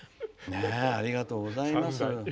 ありがとうございます。